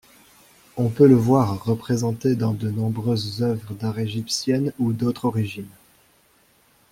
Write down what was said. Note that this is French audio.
On peut le voir représenté dans de nombreuses œuvres d'art égyptiennes ou d'autre origine.